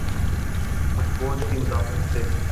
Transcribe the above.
تو فوج کی مداخلت سے۔